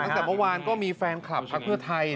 แต่เมื่อวานก็มีแฟนคลับภาครัวไทย